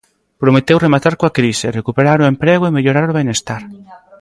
Prometeu rematar coa crise, recuperar o emprego e mellorar o benestar.